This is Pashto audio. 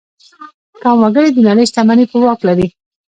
کم وګړي د نړۍ شتمني په واک لري.